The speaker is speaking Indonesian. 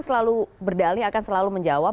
selalu berdalih akan selalu menjawab